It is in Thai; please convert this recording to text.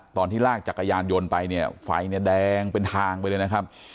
ตอนที่ลากจักรยานยนต์ไปเนี่ยไฟเนี่ยแดงเป็นทางไปเลยนะครับ